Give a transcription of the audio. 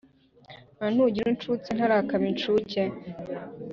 Aho ntugira uncutse Ntarakaba incuke ?